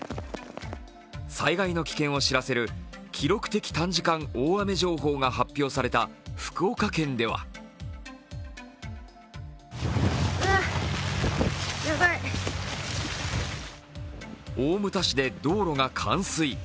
災害の危険を知らせる記録的短時間大雨情報が発表された福岡県では大牟田市で道路が冠水。